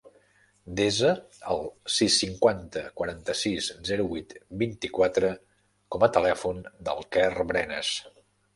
Desa el sis, cinquanta, quaranta-sis, zero, vuit, vint-i-quatre com a telèfon del Quer Brenes.